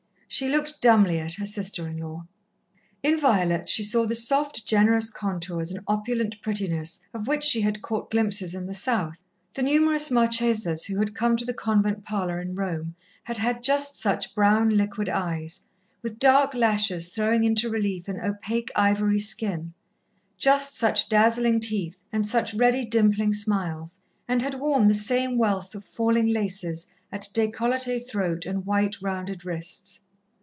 She looked dumbly at her sister in law. In Violet she saw the soft, generous contours and opulent prettiness of which she had caught glimpses in the South. The numerous Marchesas who had come to the convent parlour in Rome had had just such brown, liquid eyes, with dark lashes throwing into relief an opaque ivory skin, just such dazzling teeth and such ready, dimpling smiles, and had worn the same wealth of falling laces at décolleté throat and white, rounded wrists.